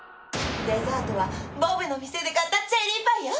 デザートは、ボブの店で買ったチェリーパイよ！